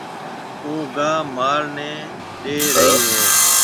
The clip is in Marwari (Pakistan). او گاها مال نَي ڏيَ رئي هيَ۔